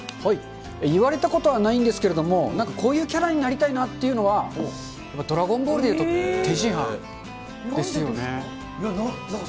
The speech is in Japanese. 言われたことはないんですけれども、なんかこういうキャラになりたいなっていうのは、ドラゴンボールでいうと天津飯ですよね。